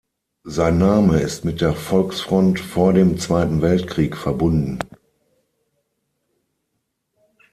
Sein Name ist mit der Volksfront vor dem Zweiten Weltkrieg verbunden.